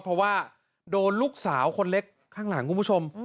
เพราะว่าโดนลูกสาวคนเล็กข้างหลังคุณผู้ชม